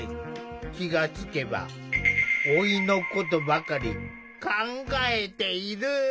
気がつけば老いのことばかり考えている。